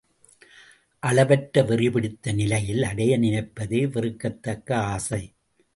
அளவற்று வெறி பிடித்த நிலையில் அடைய நினைப்பதே வெறுக்கத் தக்க ஆசை.